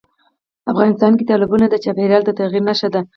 افغانستان کې تالابونه د چاپېریال د تغیر نښه ده.